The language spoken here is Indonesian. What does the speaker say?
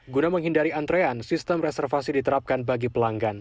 guna menghindari antrean sistem reservasi diterapkan bagi pelanggan